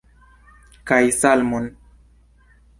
Kaj salmon!